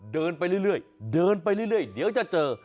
เดินไปเรื่อยเดินไปเรื่อยเดี๋ยวจะเจอ